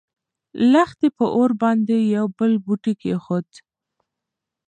لښتې په اور باندې يو بل بوټی کېښود.